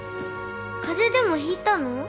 風邪でもひいたの？